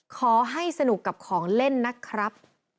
ขอให้สนุกกับของเล่นนะครับ